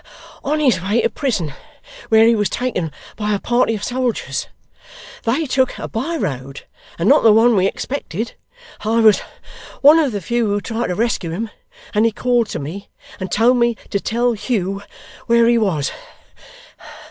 'On his way to prison, where he was taken by a party of soldiers. They took a by road, and not the one we expected. I was one of the few who tried to rescue him, and he called to me, and told me to tell Hugh where he was.